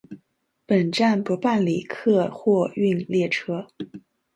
本站不办理客货运列车。